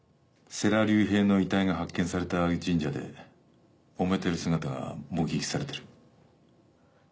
世良隆平の遺体が発見された神社でもめている姿が目撃されてる。